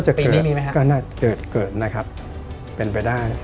หรือนะครับ